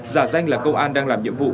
giả danh là công an đang làm nhiệm vụ